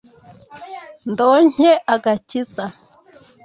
ndonke agakiza + r